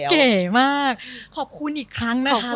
เก๋มากขอบคุณอีกครั้งนะคะ